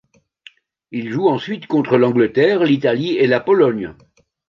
Il joue ensuite contre l'Angleterre, l'Italie et la Pologne.